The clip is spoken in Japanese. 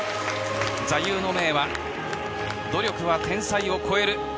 座右の銘は努力は天才を超える。